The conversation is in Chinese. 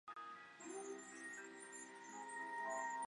它是第一家企业总部设在美国的全美性华语电视公司。